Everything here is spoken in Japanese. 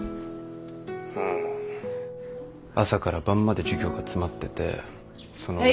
うん朝から晩まで授業が詰まっててその上。